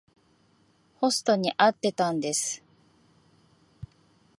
ホストに会ってたんです。